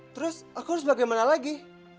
terus aku harus bagaimana lagi